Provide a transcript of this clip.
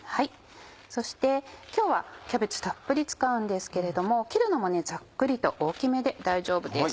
そして今日はキャベツたっぷり使うんですけれども切るのもざっくりと大きめで大丈夫です。